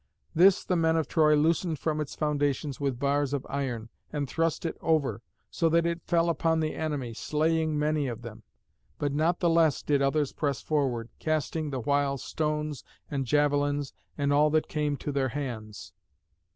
This the men of Troy loosened from its foundations with bars of iron, and thrust it over, so that it fell upon the enemy, slaying many of them. But not the less did others press forward, casting the while stones and javelins and all that came to their hands.